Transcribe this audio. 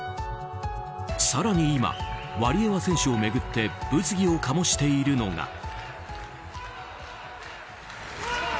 更に今、ワリエワ選手を巡って物議を醸しているのが。